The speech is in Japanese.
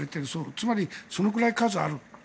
つまり、そのぐらい数がある。